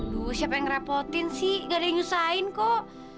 duh siapa yang ngerepotin sih gak ada yang nyusahin kok